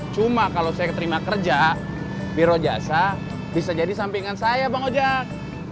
cuma kalau saya terima kerja biro jasa bisa jadi sampingan saya bang ojek